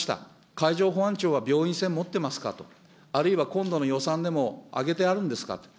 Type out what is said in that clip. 海上保安庁は病院船、持ってますか、あるいは今度の予算でもあげてあるんですかと。